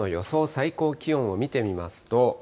最高気温を見てみますと。